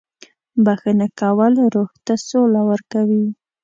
• بښنه کول روح ته سوله ورکوي.